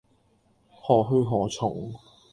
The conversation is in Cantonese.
何去何從